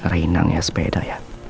rena hias sepeda ya